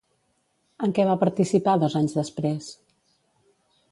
En què va participar dos anys després?